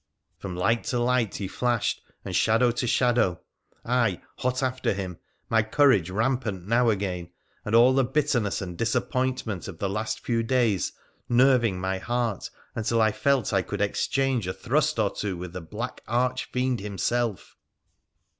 From light to light he flashed, and shadow to shadow, I hot after him, my courage rampant now again, and all the bitter ness and disappointment of the last few days nerving my heart, until I felt I could exchange a thrust or two with the black arch fiend himself.